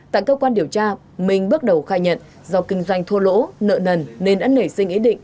tại cơ quan điều tra minh bước đầu khai nhận do kinh doanh thua lỗ nợ nần nên đã nảy sinh ý định